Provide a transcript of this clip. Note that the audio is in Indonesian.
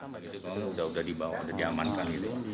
benda itu sudah dibawa sudah diamankan